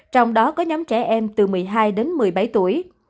trong đó có nhóm trẻ em từ một mươi hai đến một mươi bảy tuổi